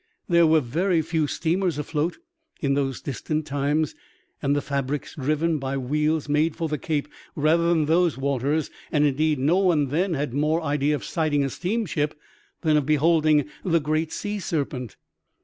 There were very few steamers afloat in those distant times, and the fabrics driven by wheels made for the Cape rather than these waters. And indeed no one then had more idea of sighting a steamship than of beholding the great sea serpent.